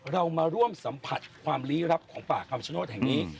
เรามาร่วมสัมผัสความลี้ลับของป่าคำชโนธแห่งนี้